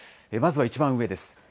まずは一番上です。